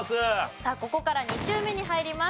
さあここから２周目に入ります。